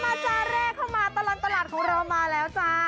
จ้าแรกเข้ามาตลอดตลาดของเรามาแล้วจ้า